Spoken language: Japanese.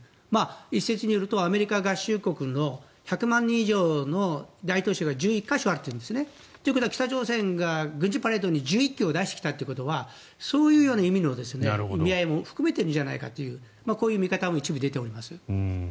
一説によるとアメリカ合衆国の１００万人以上の大都市は１１か所あるというんですね。ということは北朝鮮が軍事パレードに１１基出してきたのはそういうような意味合いも含めているんじゃないかというこういう見方も一部出ております。